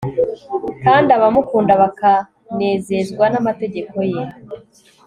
kandi abamukunda bakanezezwa n'amategeko ye